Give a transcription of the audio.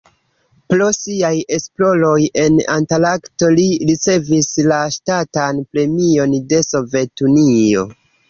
Pro siaj esploroj en Antarkto li ricevis la Ŝtatan Premion de Sovetunio.